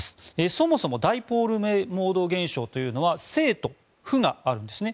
そもそもダイポールモード現象というのは正と負があるんですね。